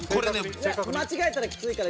間違えたらきついから。